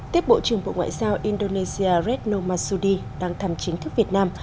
tiếp bộ trưởng bộ ngoại giao indonesia retno masudi đang thăm chính thức việt nam